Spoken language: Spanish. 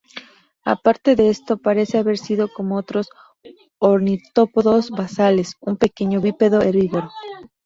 Aparte de esto, parece haber sido como otros ornitópodos basales: un pequeño bípedo herbívoro.